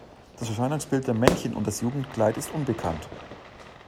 Das Erscheinungsbild der Männchen und das Jugendkleid ist unbekannt.